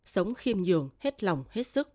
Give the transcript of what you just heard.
sống khiêm nhường hết lòng hết sức